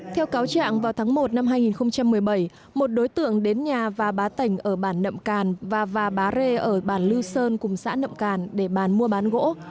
theo cáo trạng vào tháng một năm hai nghìn một mươi bảy một đối tượng đến nhà và bá tẩnh ở bản nậm càn và bá rê ở bản lưu sơn cùng xã nậm càn để bán mua bán gỗ